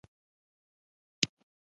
خرما د امیندوارو ښځو لپاره ښه ده.